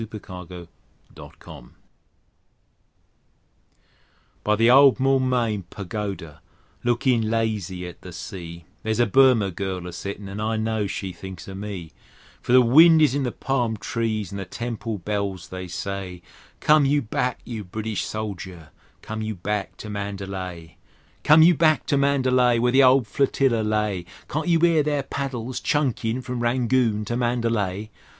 Rudyard Kipling Mandalay BY the old Moulmein Pagoda, lookin' lazy at the sea, There's a Burma girl a settin', and I know she thinks o' me; For the wind is in the palm trees, and the temple bells they say: "Come you back, you British soldier; come you back to Mandalay!" Come you back to Mandalay, Where the old Flotilla lay: Can't you 'ear their paddles chunkin' from Rangoon to Mandalay?